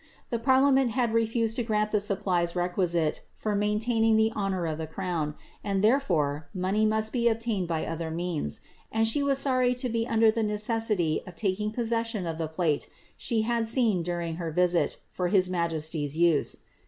The parliament had refused to grant the sup plies requisite for maintaining the honour of the crown, and therefore money must be obtained by other means; and she was sorry to be under the necessity of taking possession of the plate she had seen during her visit, for his majesty's use.